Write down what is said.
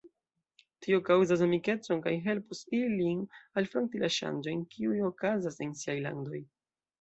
Tio kaŭzas amikecon kaj helpos ilin alfronti la ŝanĝojn, kiuj okazas en siaj landoj.